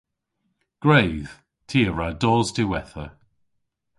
Gwredh! Ty a wra dos diwettha.